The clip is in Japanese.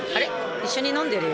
一緒に飲んでるよ。